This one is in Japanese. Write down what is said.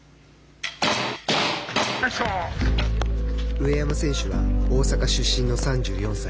上山選手は大阪出身の３４歳。